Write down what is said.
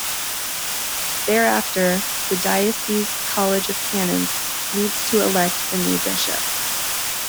Thereafter, the diocese's College of Canons meets to 'elect' the new bishop.